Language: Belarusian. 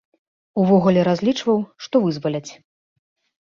Увогуле разлічваў, што вызваляць.